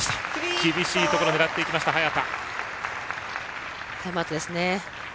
厳しいところを狙っていった早田。